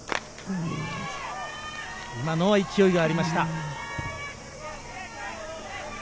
今のは勢いがありました。